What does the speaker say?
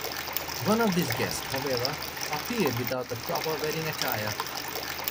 One of these guests, however, appeared without the proper wedding attire.